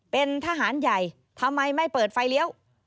เป็นทหารใหญ่ทำไมไม่เปิดไฟเลี้ยว